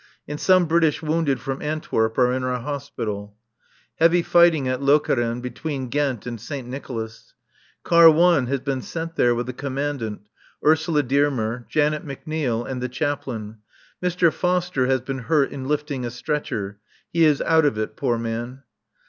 And some British wounded from Antwerp are in our Hospital. Heavy fighting at Lokeren, between Ghent and Saint Nicolas. Car 1 has been sent there with the Commandant, Ursula Dearmer, Janet McNeil and the Chaplain (Mr. Foster has been hurt in lifting a stretcher; he is out of it, poor man).